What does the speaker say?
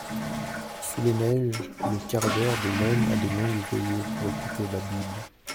Sous les neiges, le cardeur de laine a de longues veillées pour écouter la Bible.